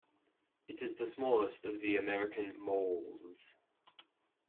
It is the smallest of the American moles.